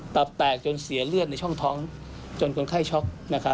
ตับแตกจนเสียเลือดในช่องท้องจนคนไข้ช็อก